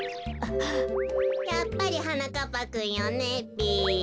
やっぱりはなかっぱくんよねべ。